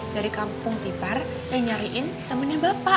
dari kampung tipar eh nyariin temennya bapak